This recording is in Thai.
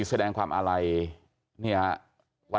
แล้วก็ไม่พบ